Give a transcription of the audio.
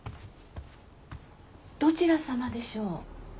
どちら様でしょう？